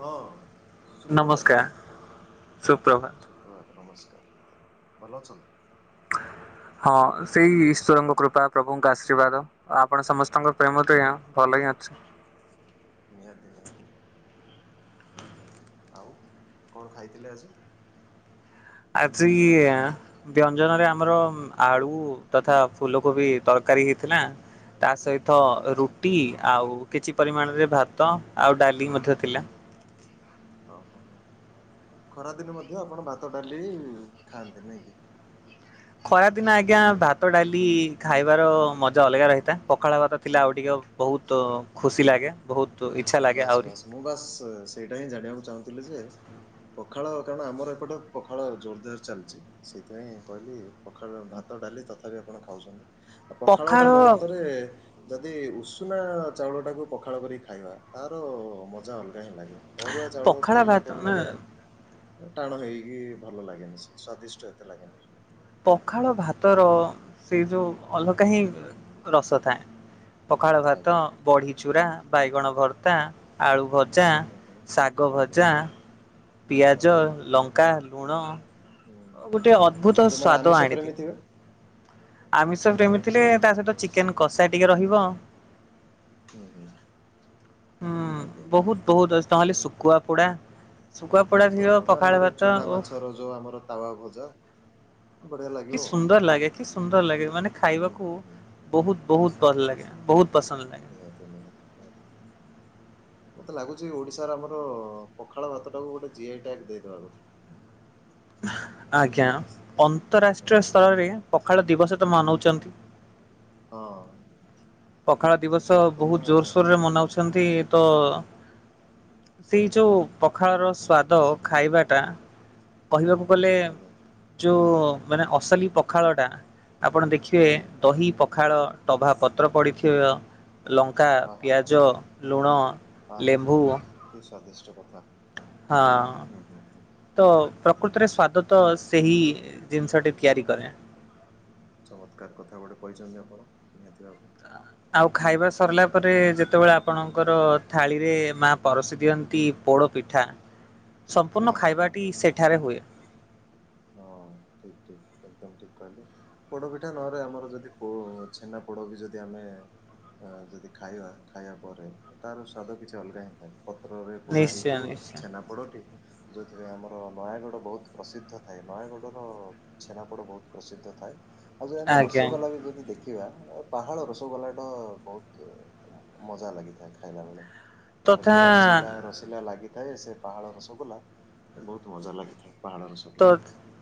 ହଁ ସୁପ୍ରଭାତ ନମସ୍କାର, ସୁପ୍ରଭାତ। ପ୍ରଭାତ ନମସ୍କାର, ଭଲ ଅଛନ୍ତି? ହଁ ସେଇ ଈଶ୍ୱରଙ୍କ କୃପା ପ୍ରଭୁଙ୍କ ଆଶୀର୍ବାଦ। ଆପଣ ସମସ୍ତଙ୍କ ପ୍ରେମ ଦୟା ଭଲ ହିଁ ଅଛି। ନିହାତି ନିହାତି ଆଜ୍ଞା, ଆଉ କଣ ଖାଇଥିଲେ ଆଜି? ଆଜି ଇଆଁ ବ୍ୟଞ୍ଜନରେ ଆମର ଆଳୁ ତଥା ଫୁଲ କୋବି ତରକାରୀ ହେଇଥିଲା। ତା ସହିତ ଆଚ୍ଛା ରୁଟି, ଆଉ କିଛି ପରିମାଣରେ ଭାତ ଆଉ ଡାଲି ମଧ୍ୟ ଥିଲା। ଓହୋ, ହୋ ଖରାଦିନ ମଧ୍ୟ ଆପଣ ଭାତ ଡାଲି ଖାଆନ୍ତି ନାଇଁ କି? ଖରାଦିନ ଆଜ୍ଞା ଭାତ ଡାଲି ଖାଇବାର ମଜା ଅଲଗା ରହିଥାଏ। ପଖାଳ ଭାତ ଥିଲା ଆଉ ଟିକେ ବହୁତ ଖୁସି ଲାଗେ, ବହୁତ ଇଚ୍ଛା ଲାଗେ ବାସ୍ ଆହୁରି। ବାସ୍ ମୁଁ ବାସ୍ ସେଇଟା ହିଁ ଜାଣିବାକୁ ଚାହୁଁଥିଲି ଯେ ପଖାଳ କାରଣ ଆମର ଏପଟେ ପଖାଳ ଜୋରଦାର ଚାଲିଚି। ସେଇଥିପାଇଁ କହିଲି ପଖାଳ, ଭାତ ଡାଲି ତଥାପି ଆପଣ ଖାଉଛନ୍ତି। ଓ ପଖାଳ ଟା ମୋ ମତରେ ଯଦି ଉଷୁନା ଚାଉଳ ଟାକୁ ପଖାଳ କରିକି ଖାଇବା। ତାର ମଜା ଅଲଗା ହିଁ ଲାଗେ, ଅରୁଆ ଚାଉଳ ପଖାଳ ଖାଇଲେ ଭାତ କଣ ନା ଲାଗେ ତ ଟାଣ ହେଇକି ଭଲ ଲାଗେନି ସେ, ସ୍ଵାଦିଷ୍ଟ ଏତେ ଲାଗେନି। ପଖାଳ ଭାତର ସେ ଯୋଉ ଅଲଗା ହିଁ ରସ ଥାଏ। ପଖାଳ ଭାତ ଆଜ୍ଞା ବଢି ଚୁରା ବାଇଗଣ ଭର୍ତ୍ତା ଆଳୁ ଭଜା ହୁଁ ହୁଁ ଶାଗ ଆଜ୍ଞା ଭଜା ପିଆଜ ଆଜ୍ଞା ଲଙ୍କା ଲୁଣ ହୁଁ ଗୋଟେ ଆଉ ଅଦ୍ଭୁତ ଯୋଉମାନେ ସ୍ଵାଦ ଆମିଷ ପ୍ରେମୀ ଆଣିଦିଏ। ଥିବେ ଆମିଷ ପ୍ରେମୀ ଥିଲେ ତା ସହିତ ଚିକେନ କଷା ଟିକେ ରହିବ ଉଁ ହୁଁ। ହୁଁ ଆଜ୍ଞା ବହୁତ ବହୁତ ଅଛି ନହେଲେ ଶୁଖୁଆ ପୋଡା ଶୁଖୁଆ ପୋଡ଼ା ଥିବ ପୋଡା ପଖାଳ ନହେଲେ ଭାତ ଚୁନା ଓଃ। ମାଛର ଯୋଉ ଆମର ତାୱାଭଜା କି ସୁନ୍ଦର ଲାଗେ କି ସୁନ୍ଦର ଲାଗେ ମାନେ ହୁଁ ଖାଇବାକୁ। ହୁଁ ହୁଁ ବହୁତ ବହୁତ ଭଲ ଲାଗେ ବହୁତ ପସନ୍ଦ ଲାଗେ। ନିହାତି ନିହାତି ନିହାତି। ମୋତେ ଲାଗୁଛି ଓଡ଼ିଶାର ଆମର ପଖାଳ ଭାତଟାକୁ ଗୋଟେ ଜି ଆଇ ଟ୍ୟାଗ ଦେଇଦବା କଥା। ଆଜ୍ଞା ହଁ ଅନ୍ତରାଷ୍ଟ୍ରୀୟ ସ୍ତରରେ ପଖାଳ ଦିବସ ତ ମନଉଛନ୍ତି ହଁ! ପଖାଳ ଦିବସ ତେଣୁ ବହୁତ ଜୋରସୋରରେ ମନାଉଛନ୍ତି ତ ସେଇ ଯୋଉ ପଖାଳ ର ସ୍ଵାଦ ଖାଇବା ଟା କହିବାକୁ ଗଲେ ଆଜ୍ଞା ଯୋଉ ମାନେ ଅସଲି ପଖାଳ ଟା ଆପଣ ଦେଖ ଖିବେ ଆଜ୍ଞା ଦହି ପଖାଳ ଟଭା ପତ୍ର ପଡିଥିବ ଲ ଙ୍କା ଆ ହା ହା ପିଆଜ ଲୁଣ ଆ ହା ହା। ଲେମ୍ବୁ କି ସ୍ଵାଦିଷ୍ଟ କଥା। ହଁ! ହୁଁ ହୁଁ ହୁଁ ତ ପ୍ରକୃତରେ ସ୍ଵାଦ ତ ସେହି ଜିନିଷଟି ତିଆରି କରେ। ଚମତ୍କାର କଥା ଗୋଟେ କହିଛନ୍ତି ଆପଣ ନିହାତି ଭାବେ। ଆଉ ଖାଇବା ହୁଁ ସରିଲା ପରେ ଯେତେବେଳେ ଆପଣଙ୍କର ଥାଳିରେ ମାଆ ପରସି ଦିଅନ୍ତି ପୋଡ଼ ପିଠା। [inaudible] ସମ୍ପୂର୍ଣ୍ଣ ହଁ ହଁ ଖାଇବାଟି ସେଠାରେ ହୁଏ। ହଁ ଠିକ୍ ଠିକ୍ ସ ବୁ ଠିକ କହିଲେ ପୋଡ ପିଠା ନହରେ ଆମର ଯଦି ଛେନା ପୋଡ ବି ଯଦି ଆମେ ଅ ଯଦି ଖାଇବା ଖାଇବା ପରେ ତାର ସ୍ୱାଦ କିଛି ଅଲଗା ହେଇଥାଏ! ପତ୍ରରେ ପୋଡ଼ା ନିଶ୍ଚୟ ହୋଇଥିବ ସେ ନିଶ୍ଚୟ ଛେନାପୋଡ଼ଟି ଯୋଉଥି ପାଇଁ ଆମର ନୟାଗଡ଼ ବହୁତ ପ୍ରସିଦ୍ଧ ଥାଏ ନୟାଗଡ଼ର ଛେନାପୋଡ ବହୁତ ପ୍ରସିଦ୍ଧ ଥାଏ ଆଉ ଯାଚ ଆଜ୍ଞା ଆମେ ଆଜ୍ଞା। ରସଗୋଲା ବି ଯଦି ଦେଖିବା ଦେଖିବା ଅ ପାହାଳ ରସଗୋଲା ଟା ବହୁତ ମଜା ଲାଗିଥାଏ ଖାଇଲାବେେଳେ। ତାର ତଥା ଯୋଉ ରସିଲା ରସିଲା ଲାଗିଥାଏ ସେ ପାହାଳ ରସଗୋଲା ବହୁତ ମଜା ଲାଗିଥାଏ ପାହାଳ ରସଗୋଲା। ତ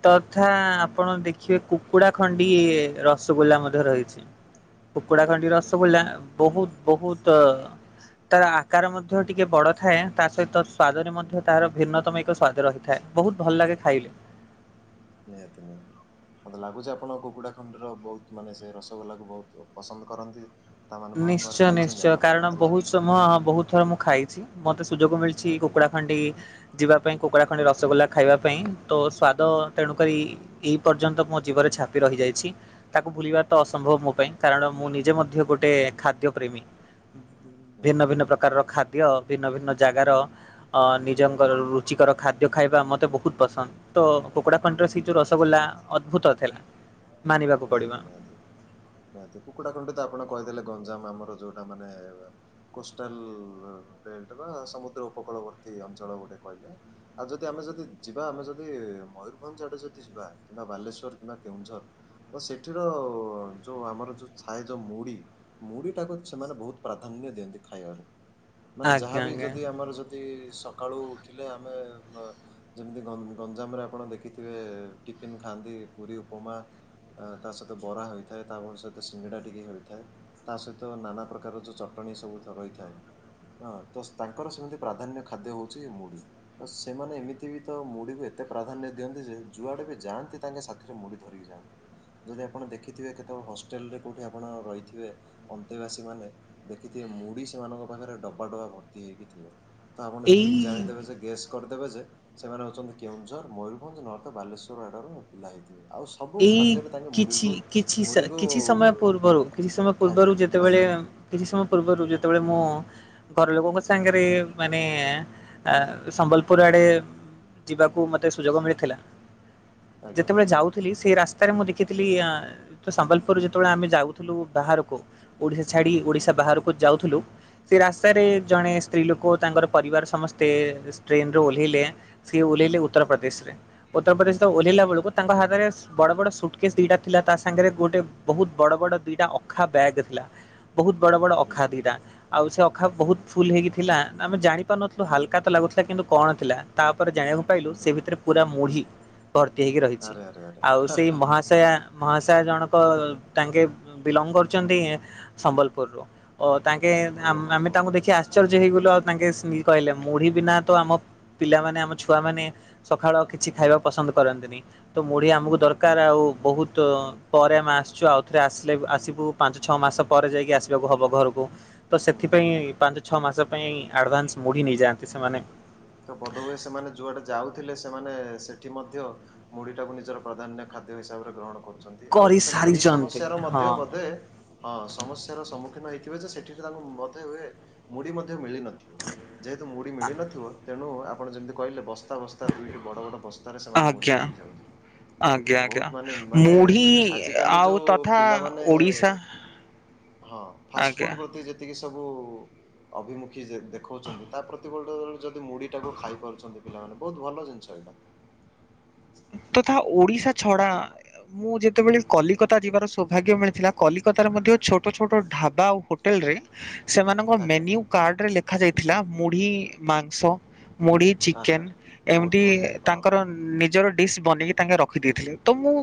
ତଥା ଆପଣ ଦେଖିବେ କୁକୁଡା ଖଣ୍ଡି ରସଗୋଲା ମଧ୍ୟ ରହିଚି। କୁକୁଡ଼ା ଖଣ୍ଡି ଆଜ୍ଞା ଆଜ୍ଞା ରସ ହଁ ଗୋଲା ହଁ ବହୁତ ବହୁତ ତ ତାର ଆକାର ମଧ୍ୟ ଟିକେ ବଡ଼ ଥାଏ ତା ସହିତ ସ୍ଵାଦରେ ହୁଁ ମଧ୍ୟ ହୁଁ ହୁଁ ତାର ଭିନ୍ନତମ ଏକ ସ୍ଵାଦ ରହିଥାଏ ବହୁତ ଭଲ ଲାଗେ ଖାଇଲେ। ନିହାତି ନିହାତି। ମୋତେ ଲାଗୁଛି ଆପଣ କୁକୁଡ଼ା ଖଣ୍ଡିର ବହୁତ ମାନେ ସେ ରସଗୋଲାକୁ ବହୁତ ପସନ୍ଦ କରନ୍ତି। ତାମାନେ ବହୁତ ବାର ନିଶ୍ଚୟ ଖାଇଛନ୍ତି ନିଶ୍ଚୟ ଆପଣ କାରଣ ମତେ ବହୁତ ଲାଗୁଛି ସମୟ ବହୁତ ଥର ମୁଁ ଖାଇଚି। ମତେ ସୁଯୋଗ ମିଳଛି ଆଜ୍ଞା। କୁକୁଡା ଖଣ୍ଡି ଯିବା ପାଇ କୁକୁଡ଼ା ଖଣ୍ଡି ରସଗୋଲା ଖାଇବା ପାଇଁ ତ ସ୍ୱାଦ ହୁଁ ହୁଁ ତେଣୁକରି ହୁଁ ଏହି ପର୍ଯ୍ୟନ୍ତ ମୋ ଜୀବରେ ଛାପି ରହିଯାଇଛି ତାକୁ ଭୁଲିବା ତ ଅସମ୍ଭବ ମୋ ପାଇଁ କାରଣ ମୁଁ ନିଜେ ମଧ୍ୟ ଗୋ ଟେ ଖାଦ୍ୟ ପ୍ରେମୀ ଭିନ୍ନ ନିହାତି ଭିନ୍ନ ନିହାତି ପ୍ରକାରର ଖା ଦ୍ୟ ଭିନ୍ନ ଭିନ୍ନ ଜାଗାର ଆ ହୁଁ ନିଜଙ୍କର ହୁଁ ରୁ ଚିକର ଖାଦ୍ୟ ଖାଇବା ମୋତେ ବହୁତ ପସନ୍ଦ ତ କୁକୁଡ଼ା ଖଣ୍ଡିର ସେ ଯେଉଁ ହୁଁ ହୁଁ ରସଗୋଲା ଅଦ୍ଭୁତ ଥିଲା। ମାନିବାକୁ ପଡିବ ନିହାତି- ନିହାତି -ନିହାତି କୁକୁଡ଼ା ଖଣ୍ଡି ତ ଆପଣ କହିଦେଲେ ଗଞ୍ଜାମ୍ ଆମର ଯଉଟା ମାନେ କୋଷ୍ଟାଲ୍ ବେଲ୍ଟ ବା ସମୁଦ୍ର ଉପକୂଳବର୍ତ୍ତୀ ଅଞ୍ଚଳ ଗୋଟେ କହିଲେ। ଆଉ ଯଦି ଆମେ ଯଦି ଯିବା ଆମେ ଯଦି ମୟୂରଭଞ୍ଜ୍ ଆଡେ ଯଦି ଯିବା କିମ୍ବା ବାଲେଶ୍ୱର କିମ୍ବା କେଉଁଝର୍ ତ ସେଠିର ଯଉ ଆମର ଯଉ ଛାଏ ଯଉ ମୁଢି ମୁଢିଟାକୁ ସେମାନେ ବହୁତ୍ ପ୍ରାଧାନ୍ୟ ଦିଅନ୍ତି ଖାଇବାରେ ମାନେ ଆଜ୍ଞା ଯାହାବି ଆଜ୍ଞା ଯଦି ଆମର ଯ ଯଦି ସକାଳୁ ଉଠିଲେ ଆମେ ମ ଯେମିତି ଗଁ- ଗଞ୍ଜାମରେ ଆପଣ ଦେଖିଥିବେ ଟିଫିନ୍ ଖାଆନ୍ତି ପୁରୀ, ଉପମା ଆ- ତା ସହିତ ବରା ହୋଇଥାଏ ତାପରେ ସହିତ ସିଙ୍ଗିଡ଼ା ଟିକେ ହୋଇଥାଏ। ତା ସହିତ ନାନା ପ୍ରକାର ଯଉ ଚଟଣୀ ସବୁ ତ ରହିଥାଏ ହଁ -ତ ତାଙ୍କର ସେମିତି ପ୍ରାଧାନ୍ୟ ଖାଦ୍ୟ ହଉଚି ମୁଢି। ତ ସେମାନେ ଏମିତି ବି ତ ମୁଢିକୁ ଏତେ ପ୍ରାଧାନ୍ୟ ଦିଅନ୍ତି ଯେ ଯୁଆଡେ ବି ଯାଆନ୍ତି। ତାଙ୍କେ ସାଥିରେ ମୁଢି ଧରିକି ଯାଆନ୍ତି। ଯଦି ଆପଣ ଦେଖିଥିବେ କେତେବେଳେ ହଷ୍ଟେଲରେ କଉଠେ ଆପଣ ରହିଥିବେ ଅନ୍ତେବାସୀ ମାନେ ଦେଖିଥିବେ ମୁଢି ସେମାନଙ୍କ ପାଖେରେ ଡବା ଡବା ଭର୍ତ୍ତି ହେଇକି ଥିବ ତ ଆପଣ ଠିକ୍ ଏଇ ଜାଣିଦେବେ ଯେ ଗେସ୍ କରିଦେବେ ଯେ ସେମାନେ ହେଉଚନ୍ତି କେଉଁଝର୍, ମୟୂରଭଞ୍ଜ୍ ନହେଲ୍ ତ ବାଲେଶ୍ୱର ଆଡର ପିଲା ହେଇଥି ଆଉ ସବୁ ଖା ଏଇ କିଛି- କିଛି -ସା- କିଛି ସମୟ ପୂର୍ବରୁ କିଛି ସମୟ ପୂର୍ବରୁ ଖାଇଦିଅନ୍ତି ଯେତେବଳେ ଆଜ୍ଞା କିଛି ସମୟ ପୂର୍ବରୁ ଯେତେବଳେ ମୁଁ ଘରଲୋକଙ୍କ ସାଙ୍ଗେରେ ମାନେ ଆଁ- ଆ-ସମ୍ବଲପୁର୍ ଆଡେ ଯିବାକୁ ମତେ ସୁଯୋଗ ମିଳିଥିଲା ଆଜ୍ଞା ଯେତେବେଳେ ଆଜ୍ଞା ଯାଉ ଥିଲି ସେଇ ରାସ୍ତାରେ ମୁଁ ଦେଖିଥିଲି ଆ- ତ ସମ୍ବଲପୁର୍ ଯେତେବଳେ ଆମେ ଯାଉଥିଲୁ ବାହାରକୁ ଓଡ଼ିଶା ଛାଡ଼ି ହୁଁ ହୁଁ ଓଡ଼ିଶା ବାହାରକୁ ଯାଉଥୁଲୁ ସେ ରାସ୍ତାରେ ଆଜ୍ଞା ଜଣେ ସ୍ତ୍ରୀ ଲୋକ ତାଙ୍କର ପରିବାର ସମସ୍ତେ ଟ୍ରେନରୁ ଓହ୍ଲେଇଲେ ସେ ଓହ୍ଲେଇଲେ ଓ ଆଜ୍ଞା। ଉତ୍ତରପ୍ରଦେଶରେ- ଉତ୍ତରପ୍ରଦେଶର ଓହ୍ଲେଇଲା ଆଜ୍ଞା ବଳକୁ ତାଙ୍କ ହା ତରେ ବଡ ବଡ ସୁଟକେସ୍ ଦିଟା ଥିଲା ତା ସାଙ୍ଗରେ ଗୋଟେ ବହୁତ୍ ବଡ ବଡ ଦିଟା ଅଖା ବ୍ୟାଗ୍ ଥିଲା। ବହୁତ୍ ବଡ ବଡ ହୁଁ ଅଖା ହୁଁ ଦିଇଟା ଆଉ ସେ ଅଖା ହୁଁ ବହୁତ୍ ହୁଁ ଫୁଲ୍ ହେଇକି ଥିଲା ଆମେ ଜାଣି ତ ନଥିଲା ହୁଁ ହାଲ୍କା ହୁଁ ତ ଲାଗୁଥିଲା କିନ୍ତୁ କଣ ଥିଲା ତାପରେ ଜାଣିବାକୁ ପାଇଲୁ ହୁଁ ସେ ହୁଁ ହୁଁ ଭିତରେ ପୁରା ମୁଢି। ଭର୍ତ୍ତି ହେଇକି ରହିଚି ଆରେ ଆରେ ଆରେ ଆଉ ହା ସେଇ ହା ହା ମହାଶୟା- ମହାଶୟା ଜଣକ ହା ତାଙ୍କେ ବିଲଙ୍ଗ୍ କରୁଚନ୍ତି ସମ୍ବଲପୁର୍ ରୁୁ। ଓ ତାଙ୍କେ ଆମ୍- ଓହୋ ଆମେ ହୋ ତାଙ୍କୁ ଦେଖି ଆଶ୍ଚର୍ଯ୍ୟ ହେଇଗଲୁ ଆଉ ତାଙ୍କେ ସୁ-ଇ କହିଲେ ହୁଁ ହୁଁ ମୁଢି ବିନା ତ ଆମ ପିଲାମାନେ ଆମ ଛୁଆମାନେ ସଖାଳ କିଛି ଖାଇବାକୁ ପସନ୍ଦ କରନ୍ତିନି ତ ମୁଢ଼ି ଆମକୁ ହୁଁ ଦର ହୁଁ କାର ଆଉ ବହୁତ ପରେ ଆମେ ଆସିଚୁ ଆଉ ଥରେ ଆସିଲେ ଆସିବୁ ପାଞ୍ଚ ଛଅ ମାସ ପରେ ଯାଇକି ଆସିବାକୁ ହବ ଘରୁକୁ। ତ ହୁଁ ହୁଁ ହୁଁ ସେଥିପାଇଁ ହୁଁ ପାଞ୍ଚ ଛଅ ମାସ ପାଇଁ ଆଡଭାନ୍ସ୍ ମୁଢି ନେଇଯାଆନ୍ତି ସେମାନେ। ତ ବୋଧହୁଏ ସେମାନେ ଯଉଆଡେ ଯାଉଥିଲେ ସେମାନେ ସେଠି ମଧ୍ୟ ମୁଢି ଟାକୁ ନିଜର ପ୍ରାଧାନ୍ୟ ଖାଦ୍ୟ ହିସାବରେ ଗ୍ରହଣ କରୁଛ ନ୍ତି- ଆଉ କରି ସେମାନେ ଏଇ ସାରିଛନ୍ତି ସମସ୍ୟା ର ହଁ ମଧ୍ୟ ବଧେ ହଁ ସମସ୍ୟାର ସମ୍ମୁଖୀନ ହେଇଥିବେ ଯେ ସେଠି ତାଙ୍କୁ ବଧେ ହୁଏ ମୁଢି ମଧ୍ୟ ମିଳିନଥି ଥିବ- ଯେହେତୁ ମୁଢ ମିଳି ନଥିବ ତେଣୁ ଆପଣ ଯେମିତି କହିଲେ ବସ୍ ବସ୍ତା- ବସ୍ତା ଦୁଇଟି ବଡ ବଡ ବସ୍ତାରେ ସେମାନେ ମୁଢ଼ି ଆଜ୍ଞା। ଧରିକି ଯାଉଥିଲେ। ଆଜ୍ଞା ଆଜ୍ଞା ବହୁତ୍ ମାନେ -ମାନେ ମୁଢି ଆଜିକାଲି ଯଉ ଆଉ ତଥା ପିଲାମାନେ ଓଡିଶା ହଁ ଆଜ୍ଞା। ଫାଷ୍ଟଫୁଡ୍ ପ୍ରତି ଯେ ଯେତିକି ସବୁ ଅଭିମୁଖୀ ଯେ-ଦେଖଉଚନ୍ତି ତା ପ୍ରତି ବଦଳରେ ମୁଢ଼ି ଟାକୁ ଖାଇ ପାରୁଚନ୍ତି ପିଲାମାନେ ବହୁତ୍ ଭଲ ଜିନିଷ ଏଇଟା। ତଥା ଓଡ଼ିଶା ଛଡ଼ା ମୁଁ ଯେତେବେଳେ କଲିକତା ଯିବାର ସୌଭାଗ୍ୟ ମିଳିଥିଲା କଲିକତାରେ ମଧ୍ୟ ଛୋଟ ଛୋଟ ଢାବା ଆଉ ହୋଟ୍ ହୋଟେଲରେ ସେମାନଙ୍କ ଆଜ୍ଞା ମେନ୍ୟୁ ଆଜ୍ଞା କାର୍ଡରେ ଲେଖା ଯାଇଥିଲା ମୁଢି ମାଂସ ମୁଢି ଆରେ ଚିକେନ୍ ଆରେ ବହୁତ ଏମିତି ବଢିଆ ହଁ ତାଙ୍କର ହଁ ହଁ ନି ନିଜର ଡିସ୍ ବନେଇକି ତାଙ୍କେ ରଖିଦେଇଥିଲେ ତ ମୁଁ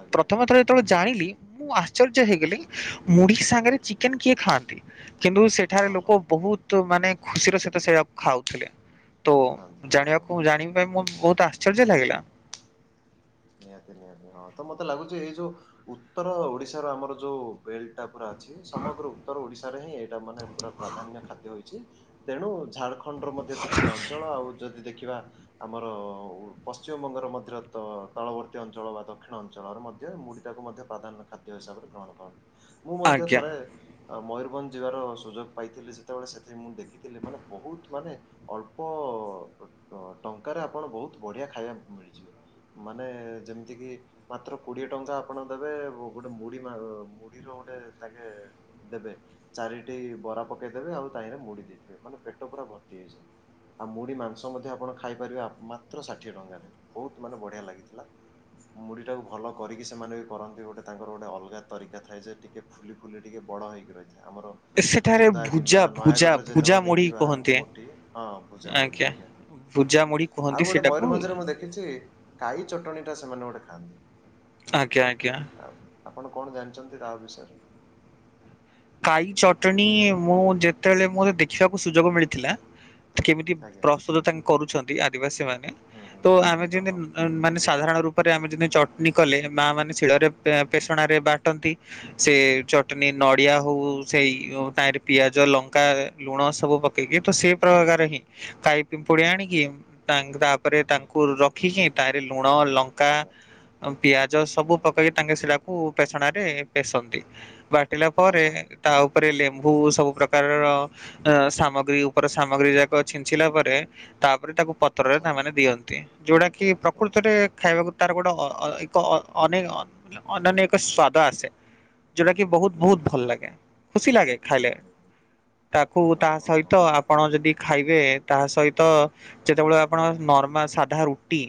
ଆଜ୍ଞା ଆଜ୍ଞା ପ୍ରଥମେ ଥର ହୁଁ ଯେତେବେଳେ ହୁଁ ଜାଣିଲି ମୁଁ ଆଶ୍ଚ୍ ଆଶ୍ଚର୍ଯ୍ୟ ହେଇଗଲି ହୁଁ ହୁଁ ମୁଢି ହୁଁ ସାଙ୍ଗେରେ ହୁଁ ଚିକେନ୍ କିଏ ଖାଆନ୍ତି କିନ୍ତୁ ସେଠାରେ ହଁ ହଁ ଲୋକ ହଁ ବହୁତ୍ ତୁ ମାନେ ଖୁସିର ସହିତ ସେଇଆକୁ ଖାଉଥିଲେ ତୋ ଖାଆନ୍ତି ହଁ ହଁ ଜାଣିବାକୁ ହଁ। ମୁଁ ଜାଣି ପାଇଁ ବୋହୁତ ଆଶ୍ଚର୍ଯ୍ୟ ଲାଗିଲା। ନିହାତି ନିହାତି ହଁ ତ ମତେ ଲାଗୁଚି ଏଇ ଯଉ ଉତ୍ତର ଓଡ଼ିଶାର ଆମର ଯୋଉ ବେଲଟା ପୁରା ଛି ସମଗ୍ର ଉତ୍ତର ଓଡ଼ିଶାରେ ହିଁ ଏଇଟା ମାନେ ପୁରା ପ୍ରାଧାନ୍ୟ ଖାଦ୍ୟ ହୋଇଛି ତେଣୁ ଝାଡ଼ଖ ଖଣ୍ଡର ମଧ୍ୟ କିଛିଟା ଅଞ୍ଚଳ ଆଉ ଯଦି ଦେଖିବା ଆମର ପଶ୍ଚିମବଙ୍ଗର ମଧ୍ୟର ତ ତଳବର୍ତ୍ତୀ ଅଞ୍ଚଳ ବା ଦକ୍ଷିଣ ଅଞ୍ଚଳରେ ମଧ୍ୟ ମୁଢ଼ିଟାକୁ ମଧ୍ୟ ପ୍ରାଧାନ୍ୟ ଖାଦ୍ୟ ହିସାବରେ ଗ୍ରହଣ କରନ୍ତି। ମୁଁ ମଧ୍ୟ ଆଜ୍ଞା ଥରେ ଅ ମୟୂରଭଞ୍ଜ ଯିବାର ସୁଯୋଗ ପାଇଥିଲି ସେତେବେଳେ ସେଥି ମୁଁ ଦେଖିଥିଲି ମାନେ ବହୁତୁ ମାନେ ଅଳ୍ପ ଟ ଟଙ୍କାରେ ଆପଣ ବହୁତ ବଢ଼ିଆ ଖାଇବାକୁ ମିଳିଯିବେ। ମାନେ ଯେମତି କି ମାତ୍ର କୋଡ଼ିଏ ଟଙ୍କା ଆପଣ ଦେବେ ଗୋ ଗୋଟେ ମୁଢ଼ି ମା ମୁଢ଼ିର ଗୋଟେ ତାଙ୍କେ ଦେବେ ଚାରିଟି ବରା ପକେଇଦେବେ ଆଉ ତାହିଁରେ ମୁଢ଼ି ଦେଇଥିବେ ମାନେ ପେଟ ପୁରା ଭର୍ତ୍ତି ହେଇଯାଏ। ଆଉ ମୁଢ଼ି ମାଂସ ମଧ୍ୟ ଆପଣ ଖାଇପାରିବେ ଆ ମାତ୍ର ଷାଠିଏ ଟଙ୍କାରେ ବହୁତୁ ମାନେ ବଢ଼ିଆ ଲାଗିଥିଲା। ମୁଢ଼ିଟାକୁ ଭଲ କରିକି ସେମାନେ ବି କରନ୍ତି ଗୋଟେ ତାଙ୍କର ଗୋଟେ ଅଲଗା ତରିକା ଥାଏ ଯେ ଟିକେ ଫୁଲି ଫୁଲି ଟିକିଏ ବଡ଼ ହୋଇକି ରହିଥାଏ ଆମର ସେଠାରେ ଖୋର୍ଦ୍ଧା ଭୁଜା କିମ୍ବା ଭୁଜା ନୟାଗଡ଼ରେ ଭୁଜା ଯେତବେଳେ ମୁଢି ଦେଖିବା କୁହନ୍ତି ମୁଟି ହଁ ଭୁଜା ମୁଢ଼ି ଆଜ୍ଞା ଭୁଜା ମୁଢି ଆଜ୍ଞା। କୁହନ୍ତି ଆଉ ଗୋଟେ ସେଟାକୁ ମୟୂରଭଞ୍ଜରେ ମୁଁ ଦେଖିଚି କାଈ ଚଟଣିଟା ସେମାନେ ଗୋଟେ ଖାଆନ୍ତି ଆଜ୍ଞା ଆଜ୍ଞା। ଆଉ ଆପଣ କଣ ଜାଣିଚନ୍ତି ତା ବିଷୟରେ? କାଈ ଚଟଣି ମୁଁ ଯେତେଳେ ମୋତେ ଦେଖିବାକୁ ସୁଯୋଗ ମିଳିଥିଲା ତ କେମିତି ଆଜ୍ଞା ପ୍ରସ୍ତୁତ ତାଙ୍କେ କରୁଛନ୍ତି ଆଦିବାସୀମାନେ ହଁ ହଁ। ତ ଆମେ ଯେମିତି ଓହୋ ଅ ମାନେ ସାଧାରଣ ରୂପରେ ଆମେ ଯେନି ଚଟନୀ କଲେ ମାମାନେ ଶିଳରେ ପେ ପେଶଣାରେ ବାଟନ୍ତି ସେ ଚଟନୀ ନ ଡି଼ଆ ହୋଉ ସେଇ ଓ ତାହିଁରେ ପିଆଜ ଲଙ୍କା ଲୁଣ ସବୁ ପକେଇକି ତ ସେଇ ପ୍ରକାର ହିଁ କାଇ ପିମ୍ପୁଡ଼ି ଆଣିିକି ତାଙ୍କ ତା ପରେ ହୁଁ ତାଙ୍କୁ ହୁଁ ରଖିକି ତାହିଁରେ ଲୁଣ ଲଙ୍କା ଆଜ୍ଞା ପିଆଜ ସବୁ ହଁ ହଁ ପକେଇ ତାଙ୍କେ ସିଳାକୁ ପେଶଣାରେ ପେଶନ୍ତି ବାଟିଲା ପରେ ଆଚ୍ଛା ତା ଉପରେ ଲେମ୍ବୁ ସବୁ ପ୍ରକାରର ଅ ସାମଗ୍ରୀ ଉପର ସାମଗ୍ରୀ ଯାକ ଛିଞ୍ଚିଲା ପରେ ତାପରେ ତାକୁ ପତ୍ରରେ ଆଚ୍ଛା ତାମାନେ ଦିଅନ୍ତି ଯୋଉଟା କି ଓହୋ ପ୍ରକୃତରେ ହୋ ଖାଇବାକୁ ତାର ଗୋଟେ ଅ-ଅ ଏକ ଅ ଅନେ ଅ-ଅ ଅନନ୍ୟ ଏକ ସ୍ଵାଦ ଆସେ ଯୋଉଟା କି ବହୁ ବୋହୁତ୍ ନିହାତି ଭଲ ନିହାତି ଲାଗେ ଖୁସି ଲାଗେ ହୁଁ ଖାଇଲେ ହୁଁ ହୁଁ ତାକୁ ତା ହଁ ହଁ ହଁ ସହିତ ପଣ ଯଦି ଖାଇବେ ତାହା ସହିତ ଯେତେବେଳେ ଆପଣ ନର୍ମା ସାଧା ରୁଟି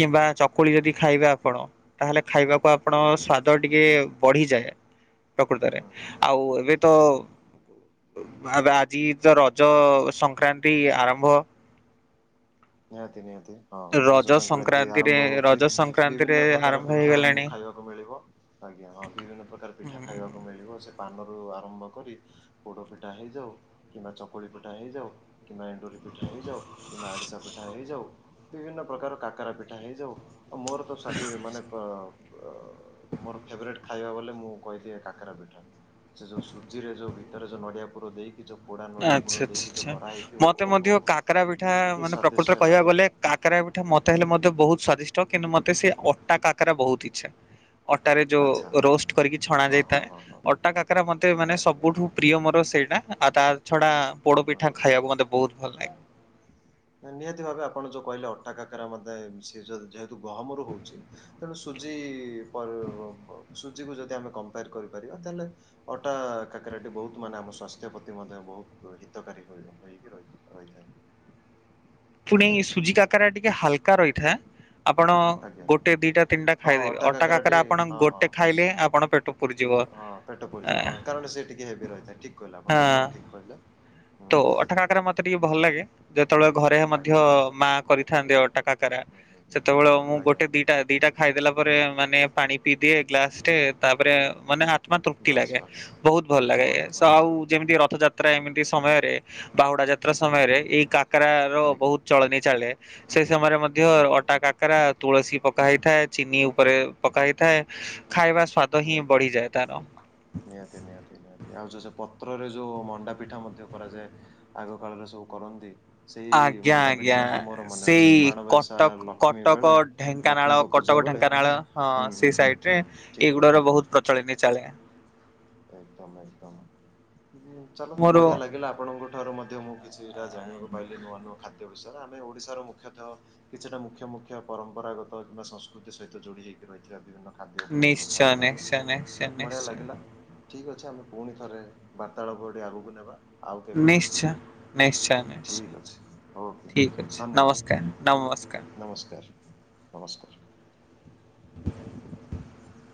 କିମ୍ବା ଚକୁଳି ଯଦି ଖାଇବେ ଆପଣ ତାହେଲେ ଖାଇବା କୁ ଆପଣ ଆଜ୍ଞା ସ୍ଵାଦ ଟିକେ ବଢି଼ଯାଏ। ପ୍ରକୃତରେ ହୁଁ ହୁଁ ହୁଁ ଆଉ ଏବେ ତ ଆଜ୍ଞା। ଉ ଆ ଆଜି ତ ରଜ ସଂକ୍ରାନ୍ତି ଆରମ୍ଭ। ନିହାତି ନିହାତି ହଁ ରଜ ସଂକ୍ରାନ୍ତି ସଂକ୍ରାନ୍ତିରେ ଆରମ୍ଭ ହଉଚି ରଜ ସଂକ୍ରାନ୍ତିରେ ବିଭିନ୍ନ ପ୍ରକାର ଆରମ୍ଭ ପିଠା ଆମୁକୁ ହେଇଗଲାଣି। ଖାଇବା ଓ ମିଳିବ ଆଜ୍ଞା ହଁ ବିଭିନ୍ନ ପ୍ରକାର ପିଠା ହୁଁ। ଖାଇବାକୁ ମିଳିବ ସେ ପାନରୁ ଆରମ୍ଭ କରି ପୋଡ଼ପିଠା ହେଇଯାଉ କିମ୍ବା ଚକୁଳି ପିଠା ହେଇଯାଉ କିମ୍ବା ଏ ଣ୍ଡୁରୀ ପିଠା ହେଇଯାଉ କିମ୍ବା ଆରିସା ପି ବିଭିନ୍ନ ପ୍ରକାର କାକରା ପିଠା ହେଇଯାଉ ଓ ମୋର ତ ସ୍ବାଦୀ ମାନେ ପ ୱ ମୋର ଫେବରେଟ୍ ଖାଇବା ବୋଲେ ମୁଁ କହିଲି ଏ କାକରା ପିଠା। ସେ ଯୋଉ ସୁଜିରେ ଯୋଉ ଭିତରେ ଯୋଉ ନଡ଼ିଆ ପୁର ଦେଇକି ଯୋଉ ପୋଡା ନଡିଆ ପୁର ଆଚ୍ଛା ଆଚ୍ଛା ଦେଇକି ଯୋଉ ଛା କରାହେଇଥିବ ମତେ ଓହୋ ମଧ୍ୟ ହୋ କାକରା ପିଠା କି ମାନେ ପ୍ରକୃତରେ ସ୍ଵାଦିଷ୍ଟ କହିବା ଲାଗେ ଗଲେ କାକରା ପିଠା ମତେ ହେଲେ ମଧ୍ୟ ବହୁତ ସ୍ଵାଦିଷ୍ଟ କିନ୍ତୁ ମତେ ସେ ଅଟା କାକରା ବହୁତ ଇଚ୍ଛା। ଅଟାରେ ଆଚ୍ଛା ଯୋଉ ରୋଷ୍ଟ କରିକି ଛଣା ହଁ ହଁ ଯାଇଥାଏ। ହଁ ହଁ ଅଟା କାକରା ମତେ ମାନେ ନିହାତି ସବୁଠୁ ନିହାତି ପ୍ରିୟ ମୋର ସେଇଟା ଆଉ ତା ଛଡ଼ା ହୁଁ ହୁଁ ପୋଡ଼ପିଠା ହୁଁ। ଖାଇବାକୁ ମତେ ବୋହୁତ ଭଲ ଲାଗେ। ନିହାତି ଭାବେ ଆପଣ ଯୋଉ କହିଲେ ଅଟା କାକାରା ମତେ ସେ ଯ ଯେହେତୁ ଗହମରୁ ହଉଛି ତେଣୁ ସୁଜି [unintelligible] ସୁଜିକୁ ଯଦି ଆମେ କମ୍ପେୟାର କରିପାରିବା ତାହେଲେ ଅଟା କାକରାଟି ବହୁତ ମାନେ ଆମ ସ୍ଵାସ୍ଥ୍ୟ ପ୍ରତି ମଧ୍ୟ ବହୁତ ହିତକାରୀ ହୁଏ। ରହି [unintelligible] ରହିଥାଏ। ପୁଣି ନିହାତି ସୁଜି କାକାରା ଟିକେ ହାଲକା ରହିଥାଏ। ଆପଣ ଆଜ୍ଞା ଗୋଟେ ଦିଟା ତିନିଟା ହଁ ଖାଇଦେବେ ଅଟା କାକରେ କାକରାଟି ଆପଣ ହଁ ଗୋଟେ ହଁ। ଖାଇଲେ ଆପଣ ପେଟ ପୁରିଯିବ। ହଁ ପେଟ ଆ ପୁରିଯିବ ହଁ କାରଣ ସେ ଟିକେ ହେଵି ରହିଥାଏ ଠିକ କହିଲେ ଆପଣ ହଁ ଏକଦମ ଠିକ୍ କହିଲେ। ହୁଁ ତ ଅଟା କକାରରେ ମତେ ଟିକେ ଭଲ ଲାଗେ ଯେତେବେଳେ ଘରେ ମଧ୍ୟ ଆଜ୍ଞା ଆଜ୍ଞା ମା କରିଥାନ୍ତି ଅଟା କା [unintelligible] ହୁଁ ହୁଁ ହୁଁ ସେତେବେଳେ ମୁଁ ଆଜ୍ଞା ଗୋଟେ ଆଜ୍ଞା ଦିଟା ଦିଟା ଖାଇଦେଲା ପରେ ମାନେ ପାଣି ପିଇଦିଏ ଗ୍ଲାସରେ ତାପରେ ମାନେ ହା ମାନେ ତୃପ୍ତି ବାସ୍ ଲାଗେ ବାସ୍ ବହୁତ ଭଲ ଲାଗେ ବଢିଆ ସ ବଢିଆ। ଆଉ ଯେମିତି ରଥଯାତ୍ରା ହୁଁ ଏମିତି ହୁଁ ସମୟରେ ବାହୁଡା ଯାତ୍ରା ସମୟରେ ଏଇ କାକରା ର ଆଜ୍ଞା ବହୁତ ଚଳନି ଚାଳେ। ସେଇ ସମୟରେ ମଧ୍ୟ ହୁଁ ହୁଁ ଅଟା କାକରା ତୁଳସୀ ପକା ହେଇଥାଏ ଚିନି ଉପରେ ପକା ହେଇଥାଏ ଖାଇବା ସ୍ବା ନିହାତି ନିହାତି ନିହାତି ନିହାତି ଆଉ ଯୋଉ ଯେ ପତ୍ରରେ ଯୋଉ ମଣ୍ଡା ପିଠା ମଧ୍ୟ କରାଯାଏ। ଆଗ କାଳରେ ସବୁ କରନ୍ତି। ସେଇ ଆଜ୍ଞା ମଣ୍ଡା ପିଠା ଆଜ୍ଞା ମଧ୍ୟ ମୋର ମନେ ସେଇ ଅଛି ମାଣବସା କଟକ ଲକ୍ଷ୍ମୀ କଟକ ବେଳେ ଢେଙ୍କ ନାଳ ଲକ୍ଷ୍ମୀଙ୍କ ପୂଜା କଟକ ବେଳେ ଢେଙ୍କାନାଳ ହଁ ହୁଁ ସେ ହୁଁ ହୁଁ ସାଇଡ ରେ ଠିକ କହିଲେ ଏଇଗୁଡାର ବହୁତ ପ୍ରଚଳିତ ଚାଲେ। ଏକଦମ ଏକଦମ ଉଁ ଚାଲନ୍ତୁ ମୋର ବଢିଆ ଲାଗିଲା ଆପଣଙ୍କ ଠାରୁ ମଧ୍ୟ ମୁଁ କିଛିଟା ଜାଣିବାକୁ ପାଇଲି ନୂଆ ନୂଆ ଖାଦ୍ୟ ବିଷୟରେ ଆମେ ଓଡ଼ିଶାର ମୁଖ୍ୟତଃ କିଛିଟା ମୁଖ୍ୟ ମୁଖ୍ୟ ପରମ୍ପରାଗତ କିମ୍ବା ସଂସ୍କୃତି ସହିତ ଯୋଡି ହେଇ ରହିଥିବା ବିଭିନ୍ନ ଖାଦ୍ୟ ଉପରେ ଆମ ନିଶ୍ଚୟ କଥାବାର୍ତ୍ତା ହେଲେ ନିଶ୍ଚୟ ନିଶ୍ଚୟ ବଢିଆ ନିଶ୍ଚୟ ଲାଗିଲା। ଠିକ୍ ଅଛେ ଆମେ ପୁଣି ଥରେ ବାର୍ତ୍ତାଳାପ ଟିକେ ଆଗକୁ ନେବା। ଆଉ କେବେ ନିଶ୍ଚୟ ନିଶ୍ଚୟ ନିଶ୍ଚୟ ଠିକ ଅଛି ଓକେ ଠିକ ଅଛି ନମସ୍କାର ନମସ୍କାର ଧନ୍ୟବାଦ। ନମସ୍କାର ନମସ୍କାର। [unintelligible]